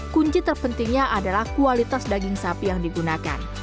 kunci terpentingnya adalah kualitas daging sapi yang digunakan